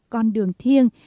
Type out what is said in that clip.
con đường thiêng